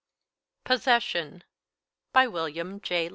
POSSESSION BY WILLIAM J.